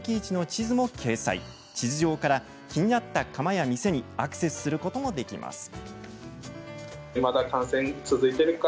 地図上から、気になった窯や店にアクセスすることもできます。